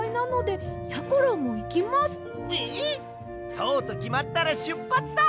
そうときまったらしゅっぱつだ！